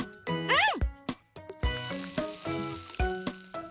うん。